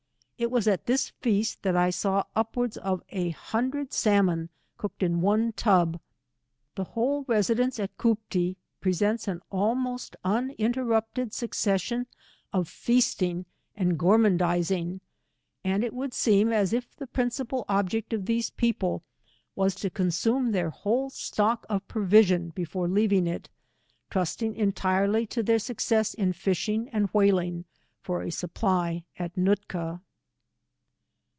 It was at this feast that I saw upwards of an hundred salmon cooked in one tub. The whole residence at Cooptee presents an almost uninterrupted succession of feasting and gorman dizing, and it would seem as if the principal object of these people was to consume their whole stock of provision before leaving it, trusting entirely to their success in fishing and whaling, for a supply at Nootka.